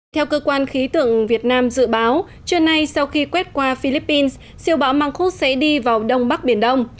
theo cơ quan khí tượng việt nam dự báo trưa nay sau khi quét qua philippines siêu bão măng khuốt sẽ đi vào đông bắc biển đông